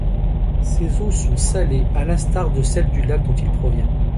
Ses eaux sont salées à l'instar de celles du lac dont il provient.